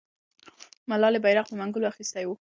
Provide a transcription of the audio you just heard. ملالۍ بیرغ په منګولو اخیستی وو.